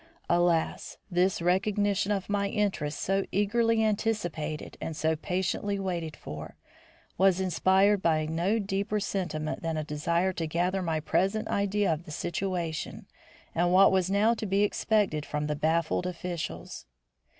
Alas! this recognition of my interest, so eagerly anticipated and so patiently waited for, was inspired by no deeper sentiment than a desire to gather my present idea of the situation and what was now to be expected from the baffled officials.